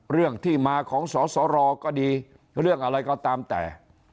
เรื่องที่มาของสสรก็ดีเรื่องอะไรก็ตามแต่